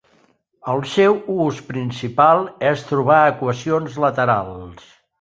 El seu ús principal és trobar equacions laterals.